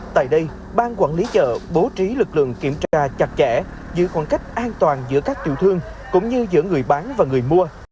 tại đây bang quản lý chợ bố trí lực lượng kiểm tra chặt chẽ giữ khoảng cách an toàn giữa các tiểu thương cũng như giữa người bán và người mua